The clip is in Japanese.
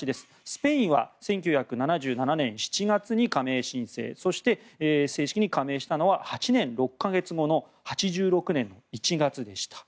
スペインは１９７７年７月に加盟申請そして、正式に加盟したのは８年６か月後の８６年の１月でした。